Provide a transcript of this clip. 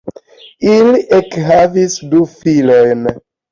Ili ekhavis du filojn.